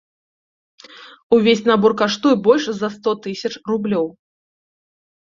Увесь набор каштуе больш за сто тысяч рублёў.